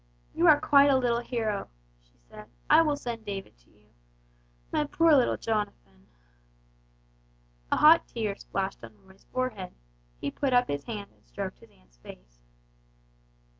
"You are quite a little hero," she said; "I will send David to you. My poor little Jonathan!" A hot tear splashed on Roy's forehead; he put up his hand and stroked his aunt's face.